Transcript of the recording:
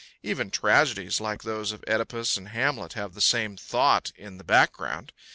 Even tragedies like those of OEdipus and Hamlet have the same thought in the background.